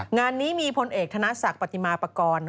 งานนี้มีพลเอกธนศักดิ์ปฏิมาปากร